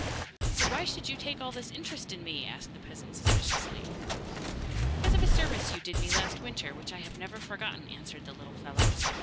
'But why should you take all this interest in me?' asked the peasant suspiciously. 'Because of a service you did me last winter, which I have never forgotten,' answered the little fellow.